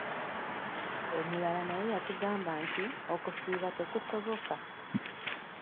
Omulala naye yatugamba nti okusiiba tekusoboka.